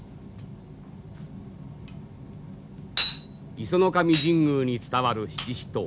石上神宮に伝わる七支刀。